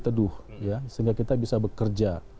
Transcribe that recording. teduh ya sehingga kita bisa bekerja